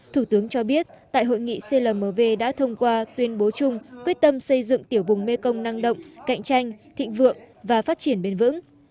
thủ tướng cho biết tại hội nghị clmv đã thông qua tuyên bố chung quyết tâm xây dựng tiểu vùng mekong năng động cạnh tranh thịnh vượng và phát triển bền vững